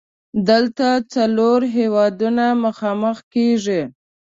دلته څلور هیوادونه مخامخ کیږي.